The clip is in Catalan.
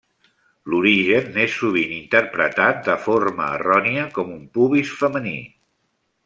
L'origen n'és sovint interpretat de forma errònia com un pubis femení.